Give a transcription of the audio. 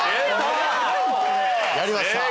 やりました！